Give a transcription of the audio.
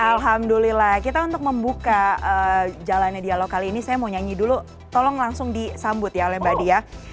alhamdulillah kita untuk membuka jalannya dialog kali ini saya mau nyanyi dulu tolong langsung disambut ya oleh mbak dia